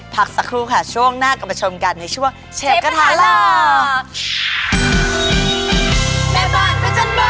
พักสักครู่ค่ะช่วงหน้ากลับมาชมกันในช่วงเชฟกระทะหล่อ